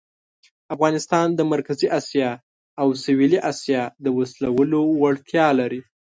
افغانستان د مرکزي آسیا او سویلي آسیا د وصلولو وړتیا لري.